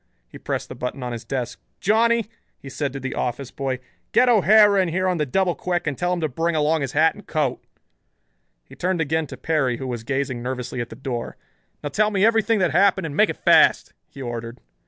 He pressed the button on his desk. "Johnny," he said to the office boy, "get O'Hara in here on the double quick and tell him to bring along his hat and coat." He turned again to Perry, who was gazing nervously at the door. "Now tell me everything that happened and make it fast," he ordered.